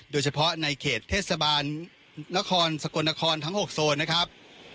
โดยเฉพาะในเขตเทศบาลนครสกลนครทั้ง๖โซนนะครับ